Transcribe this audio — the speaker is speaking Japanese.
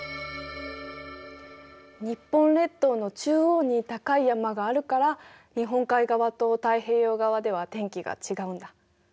日本列島の中央に高い山があるから日本海側と太平洋側では天気が違うんだ。